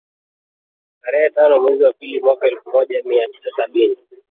tarehe tano mwezi wa pili mwaka elfu moja mia tisa sabini